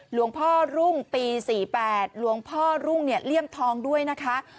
หลวงพ่อรุ่งปี๔๘หลวงพ่อรุ่งเนี่ยเลี่ยมทองด้วยนะคะ